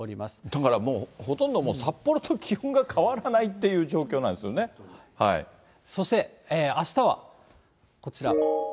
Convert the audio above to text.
だからもう、ほとんどもう、札幌と気温が変わらないという状そして、あしたはこちら。